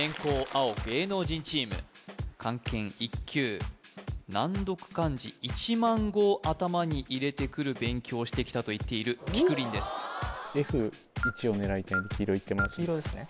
青芸能人チーム漢検１級難読漢字１万語を頭に入れてくる勉強をしてきたといっているきくりんです黄色ですね？